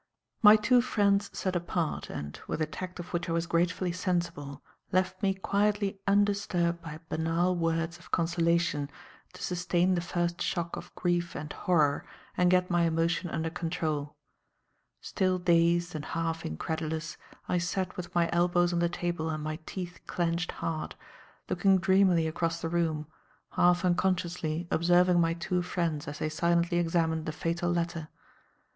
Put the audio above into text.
My two friends sat apart and, with a tact of which I was gratefully sensible, left me quietly undisturbed by banal words of consolation, to sustain the first shock of grief and horror and get my emotion under control. Still dazed and half incredulous, I sat with my elbows on the table and my teeth clenched hard, looking dreamily across the room, half unconsciously observing my two friends as they silently examined the fatal letter.